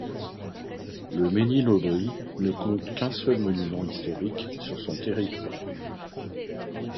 Le Mesnil-Aubry ne compte qu'un seul monument historique sur son territoire.